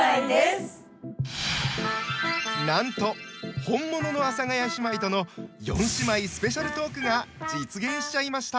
なんと本物の阿佐ヶ谷姉妹との四姉妹スペシャルトークが実現しちゃいました。